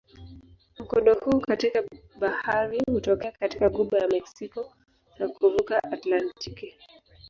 Mkondo huu katika bahari hutokea katika ghuba ya Meksiko na kuvuka Atlantiki.